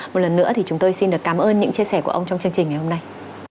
một lần nữa thì chúng tôi xin được cảm ơn những chia sẻ của ông trong chương trình ngày hôm nay